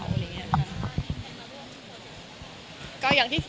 คุณสามารถยังเห็นมาด้วยในโปรเจกต์